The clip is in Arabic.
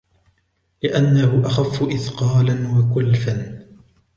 لِأَنَّهُ أَخَفُّ إثْقَالًا وَكُلَفًا